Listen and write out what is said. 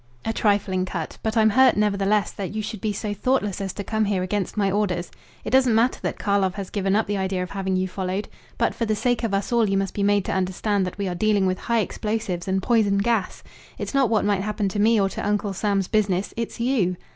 "A trifling cut. But I'm hurt, nevertheless, that you should be so thoughtless as to come here against my orders. It doesn't matter that Karlov has given up the idea of having you followed. But for the sake of us all you must be made to understand that we are dealing with high explosives and poison gas. It's not what might happen to me or to Uncle Sam's business. It's you.